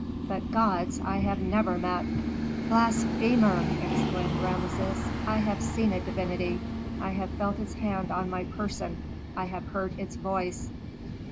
But gods I have never met." "Blasphemer!" exclaimed Rameses. "I have seen a divinity, I have felt its hand on my person, I have heard its voice."